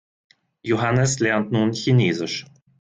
Johannes lernt nun Chinesisch.